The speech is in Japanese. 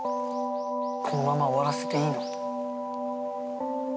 このまま終わらせていいの？